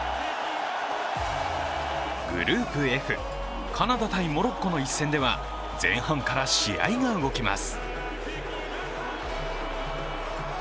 グループＦ、カナダ×モロッコの一戦では前半から試合が動きます。